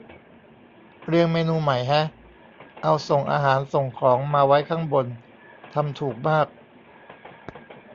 เรียงเมนูใหม่แฮะ เอาส่งอาหารส่งของมาไว้ข้างบน ทำถูกมาก